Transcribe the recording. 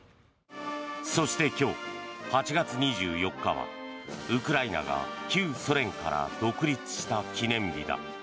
そして今日、８月２４日はウクライナが旧ソ連から独立した記念日だ。